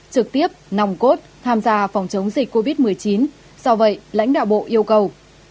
trực tiếp nòng cốt tham gia phòng chống dịch covid một mươi chín do vậy lãnh đạo bộ yêu cầu